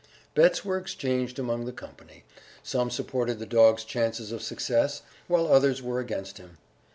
Bets were exchanged among the company some supported the dog's chances of success, while others were against him.